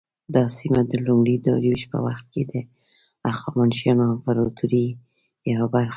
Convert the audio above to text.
دا سیمه د لومړي داریوش په وخت کې د هخامنشیانو امپراطورۍ یوه برخه وه.